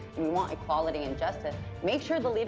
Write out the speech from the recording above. kami ingin bebas kami ingin keadilan dan keadilan